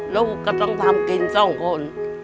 ลูกก็ต้องทำกินสองคน